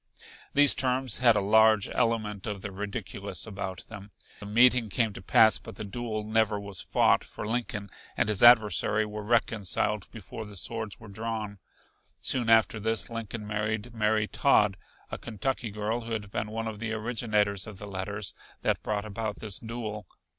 These terms had a large element of the ridiculous about them. The meeting came to pass but the duel never was fought, for Lincoln and his adversary were reconciled before the swords were drawn. Soon after this Lincoln married Mary Todd, a Kentucky girl who had been one of the originators of the letters that brought about this duel.